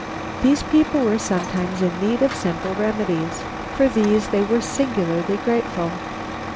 These people were sometimes in need of simple remedies. For these they were singularly grateful.